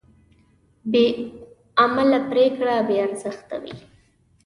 بېعمله پرېکړه بېارزښته وي.